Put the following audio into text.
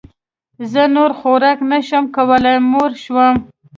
زه نور خوراک نه شم کولی موړ شوم